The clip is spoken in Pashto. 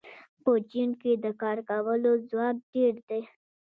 په چین کې د کار کولو ځواک ډېر دی.